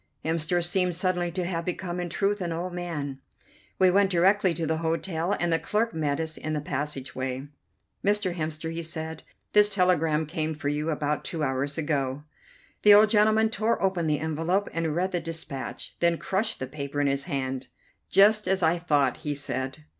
Hemster seemed suddenly to have become in truth an old man. We went directly to the hotel, and the clerk met us in the passage way. "Mr. Hemster," he said, "this telegram came for you about two hours ago." The old gentleman tore open the envelope, read the dispatch, then crushed the paper in his hand. "Just as I thought," he said.